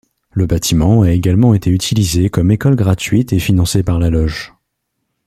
Le bâtiment a également été utilisé comme école gratuite et financée par la loge.